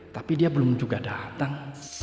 tapi dia belum juga datang